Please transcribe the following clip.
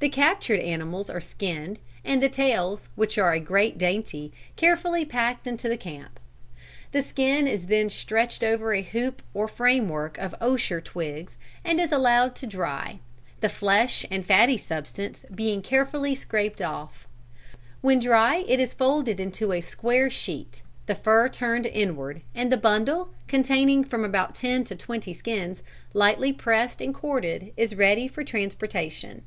The captured animals are skinned, and the tails, which are a great dainty, carefully packed into camp. The skin is then stretched over a hoop or frame work of osier twigs and is allowed to dry, the flesh and fatty substance being carefully scraped off. When dry it is folded into a square sheet, the fur turned inward, and the bundle, containing from about ten to twenty skins, lightly pressed and corded, is ready for transportation.